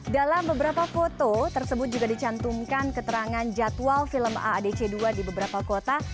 dalam beberapa foto tersebut juga dicantumkan keterangan jadwal film aadc dua di beberapa kota